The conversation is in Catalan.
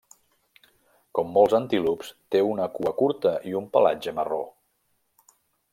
Com molts antílops, té una cua curta i un pelatge marró.